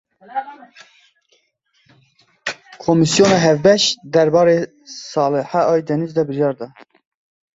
Komîsyona Hevbeş derbarê Salihe Aydeniz de biryar da.